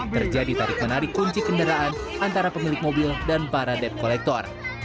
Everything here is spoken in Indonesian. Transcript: terjadi tarik menarik kunci kendaraan antara pemilik mobil dan para debt collector